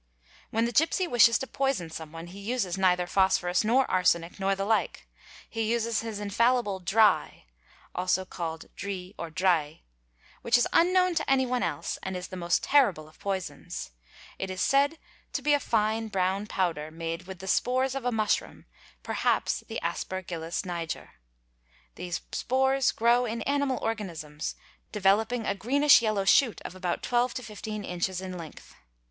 When the gipsy wishes to poison someone he uses neither phosphorus | nor arsenic nor the like; he uses his infallible "dry" (also called "dri" — or "'drei'') which is unknown to anyone else and is the most terrible of poisons. It is said to be a fine brown powder made with the spores of a— mushroom, (perhaps the Asper gillus niger). These spores grow in animal organisms, developing a greenish yellow shoot of about twelve to fifteen inches in length.